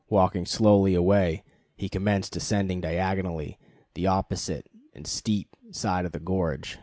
Walking slowly away, he commenced ascending diagonally the opposite and steep side of the gorge.